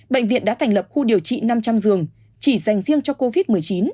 bệnh viện đã thành lập khu điều trị năm trăm linh giường chỉ dành riêng cho covid một mươi chín